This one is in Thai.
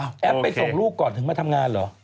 แอปไปส่งลูกก่อนถึงมาทำงานเหรอ